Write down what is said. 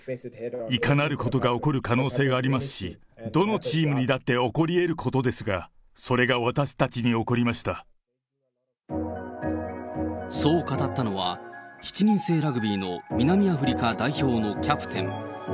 いかなることが起こる可能性がありますし、どのチームにだって起こりえることですが、それが私たちに起こりそう語ったのは、７人制ラグビーの南アフリカ代表のキャプテン。